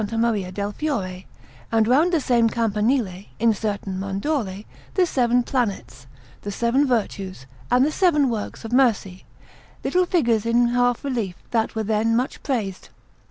Maria del Fiore, and round the same Campanile, in certain mandorle, the seven planets, the seven virtues, and the seven works of mercy, little figures in half relief that were then much praised.